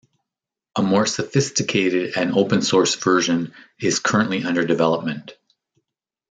A more sophisticated and open-source version is currently under development.